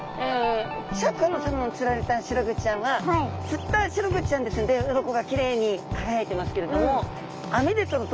シャーク香音さまの釣られたシログチちゃんは釣ったシログチちゃんですんで鱗がきれいに輝いてますけれども網でとると。